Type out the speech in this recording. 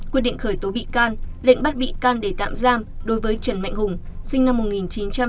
quyết định khởi tố bị can lệnh bắt bị can để tạm giam đối với trần mạnh hùng sinh năm một nghìn chín trăm tám mươi